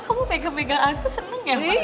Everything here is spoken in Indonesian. kamu pegang pegang aku seneng ya bang